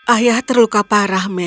ayah terluka parah meg